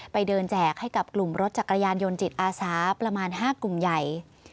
ไปเดินแจกให้กับกลุ่มรถจักรยานยนต์จิตอาสาประมาณ๕กลุ่มใหญ่